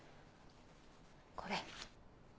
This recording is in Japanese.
これ。